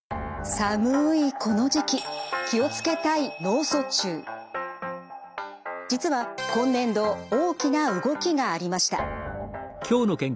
寒いこの時期気を付けたい実は今年度大きな動きがありました。